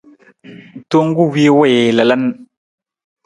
Tong ku wii wii lalan.